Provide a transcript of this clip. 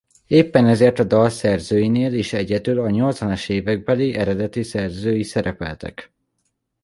Éppen ezért a dal szerzőinél is egyedül a nyolcvanas évekbeli eredeti szerzői szerepeltek.